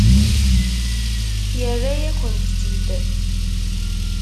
Yerra-yakent-tt-id?